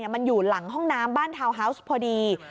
มันอยู่หลังห้องน้ำบ้านทาวน์ฮาวส์พอดี